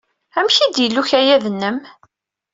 Amek ay d-yella ukayad-nnem?